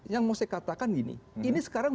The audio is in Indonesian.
yang mau saya katakan gini ini sekarang